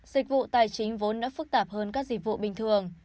dịch vụ tài chính vốn đã phức tạp hơn các dịch vụ bình thường